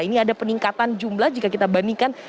ini ada peningkatan jumlah jika kita bandingkan